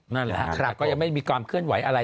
นั่นแหละแต่ก็ยังไม่มีความเคลื่อนไหวอะไร